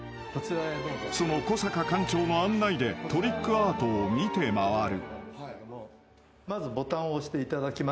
［その小阪館長の案内でトリックアートを見て回る］